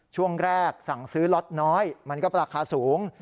ช่วงแรกสั่งซื้อล็อตน้อยมันก็ราคาสูง